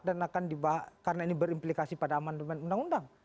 dan akan dibahas karena ini berimplikasi pada aman dengan undang undang